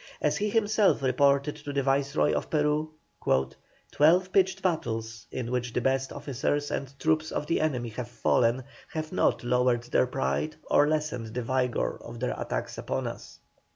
As he himself reported to the Viceroy of Peru: "Twelve pitched battles, in which the best officers and troops of the enemy have fallen, have not lowered their pride or lessened the vigour of their attacks upon us."